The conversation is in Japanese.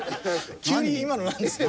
急に今のなんですか？